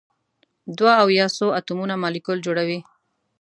دوه او یا څو اتومونه مالیکول جوړوي.